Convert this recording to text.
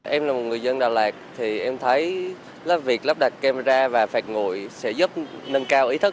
em là một người dân đà lạt thì em thấy việc lắp đặt camera và phạt ngồi sẽ giúp nâng cao ý thức